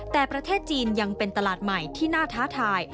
แต่ประเทศจีนยังเป็นตลาดใหม่ที่น่าท้าทาย